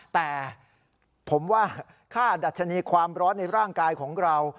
แต่ผมว่าค่าดัชนีความร้อนในร่างกายของเรา